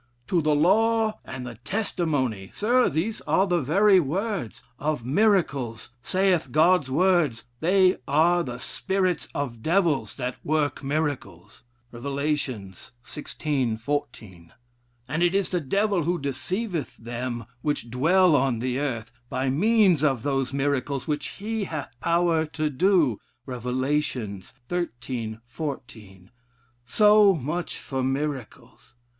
'To the law and the testimony.'" Sirs! These are the very words: 'Of miracles, saith God's word, 'They are the spirits of devils, that work miracles.' Rev. xvi. 14. And it is the Devil who 'deceiveih them which dwell on the earth, by means of those miracles which he hath power to do.' Rev. xiii. 14. So much for miracles.